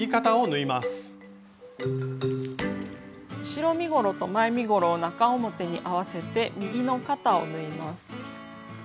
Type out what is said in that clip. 後ろ身ごろと前身ごろを中表に合わせて右の肩を縫います。